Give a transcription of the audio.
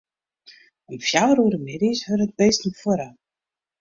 Om fjouwer oere middeis wurde de bisten fuorre.